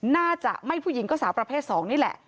น่าจะไม่ผู้หญิงก็สาวประเภท๒นี่แหละ